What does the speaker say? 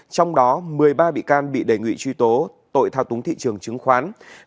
trong đó một mươi ba bị can bị đề nghị truy tố tội thao túng thị trường chứng khoán